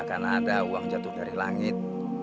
karena ada uang jatuh dari langit